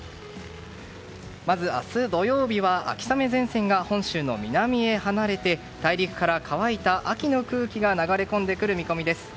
まず、明日土曜日は秋雨前線が本州の南へ離れて大陸から乾いた秋の空気が流れ込んでくる見込みです。